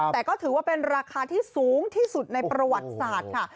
แต่ก็ถือว่าเป็นราคาที่สูงที่สุดในประวัติศาสตร์ค่ะ